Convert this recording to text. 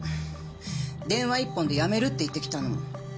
電話一本で辞めるって言ってきたの。